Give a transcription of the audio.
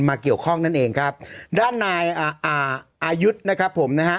มาเกี่ยวข้องนั่นเองครับด้านนายอายุทธ์นะครับผมนะฮะ